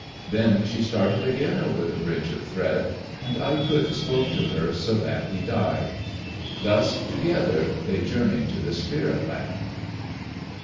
Then she started again over the bridge of thread. And Aikut spoke to her, so that he died. Thus together they journeyed to the Spirit land.